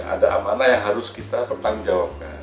ada amanah yang harus kita pertanggungjawabkan